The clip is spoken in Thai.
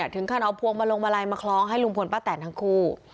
ถึงขั้นเอาพวงมาลงมาลัยมาคล้องให้ลุงพลป้าแตนทั้งคู่